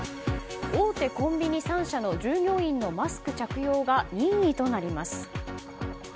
大手コンビニ３社の従業員のマスク着用が任意となります。